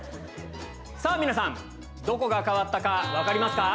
さぁ皆さんどこが変わったか分かりますか？